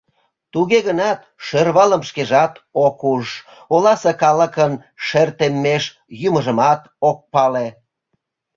Туге гынат шӧрвалым шкежат ок уж, оласе калыкын шер теммеш йӱмыжымат ок пале.